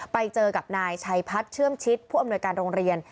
ไปเจอกับนายชัยพัฒน์เชื่อมชิดผู้อำนวยการโรงเรียน